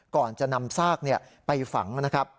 ก่อนจะนำซากไปฝัง